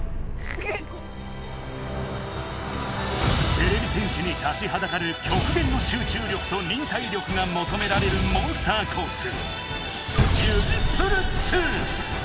てれび戦士に立ちはだかるきょくげんの集中力と忍耐力がもとめられるモンスターコース